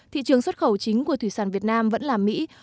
thị trường xuất khẩu chính của thủy sản việt nam vẫn là mỹ